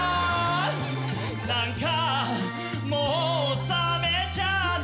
「なんかもう冷めちゃった」